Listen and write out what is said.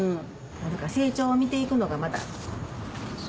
成長を見ていくのがまた。